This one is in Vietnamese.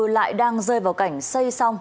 lại đang rơi vào cảnh xây xong